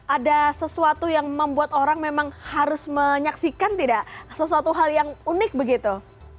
ada sesuatu yang membuat orang memang harus menyaksikan tidak sesuatu hal yang unik begitu